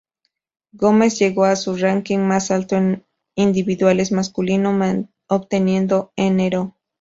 Gómez llegó a su ranking más alto en individuales masculino, obteniendo nro.